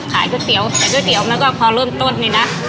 ก๋วยเตี๋ยวขายก๋วยเตี๋ยวมันก็พอเริ่มต้นนี่นะ